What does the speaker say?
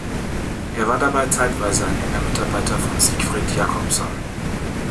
Er war dabei zeitweise ein enger Mitarbeiter von Siegfried Jacobsohn.